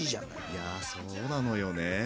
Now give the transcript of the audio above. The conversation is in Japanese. いやそうなのよね。